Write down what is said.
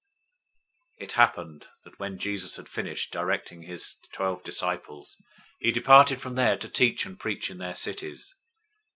011:001 It happened that when Jesus had finished directing his twelve disciples, he departed from there to teach and preach in their cities.